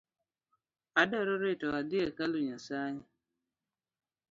Adwa reto adhii e kalu Nyasae